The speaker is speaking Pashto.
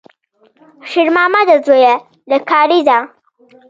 شېرمامده زویه، له کارېزه!